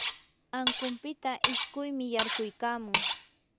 ankunpita isquymi yarquykamun.